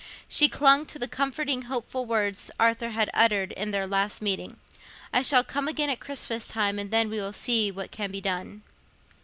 She clung to the comforting hopeful words Arthur had uttered in their last meeting—"I shall come again at Christmas, and then we will see what can be done."